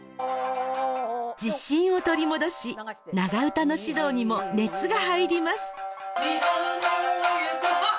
自信を取り戻し長唄の指導にも熱が入ります。